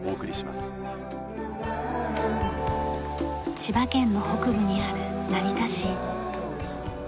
千葉県の北部にある成田市。